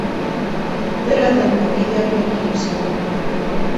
Бер аҙҙан диңгеҙ ярына килеп сыҡтым.